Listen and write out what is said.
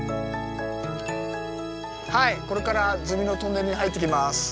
はいこれからズミのトンネルに入っていきます。